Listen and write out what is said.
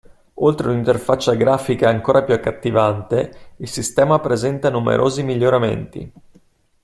Oltre ad un'interfaccia grafica ancora più accattivante il sistema presenta numerosi miglioramenti.